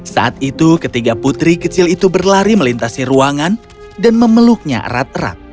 saat itu ketiga putri kecil itu berlari melintasi ruangan dan memeluknya erat erat